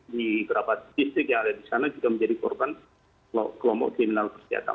di beberapa distrik yang ada di sana juga menjadi korban kelompok kriminal kesehatan